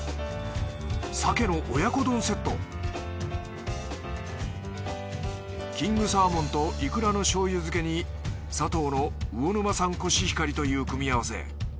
鮭の親子丼セットキングサーモンといくらのしょうゆ漬けにサトウの魚沼産コシヒカリという組み合わせ。